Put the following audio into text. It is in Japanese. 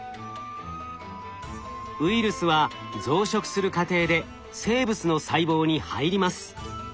ウイルスは増殖する過程で生物の細胞に入ります。